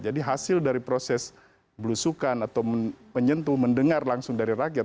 jadi hasil dari proses belusukan atau menyentuh mendengar langsung dari rakyat